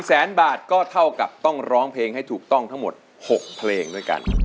แสนบาทก็เท่ากับต้องร้องเพลงให้ถูกต้องทั้งหมด๖เพลงด้วยกัน